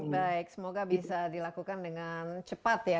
baik semoga bisa dilakukan dengan cepat ya